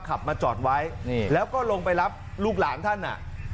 ขับมาจอดไว้แล้วก็ลงไปรับลูกหลานท่านอ่ะ